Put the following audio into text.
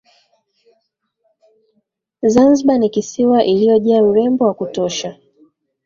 Zanzibar ni kisiwa iliyojaa urembo wa kutosha